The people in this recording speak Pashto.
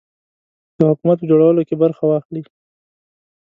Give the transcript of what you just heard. د حکومت په جوړولو کې برخه واخلي.